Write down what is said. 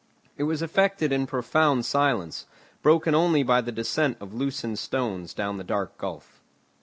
It was effected in profound silence, broken only by the descent of loosened stones down the dark gulf.